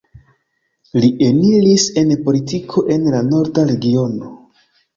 Li eniris en politiko en la Norda Regiono.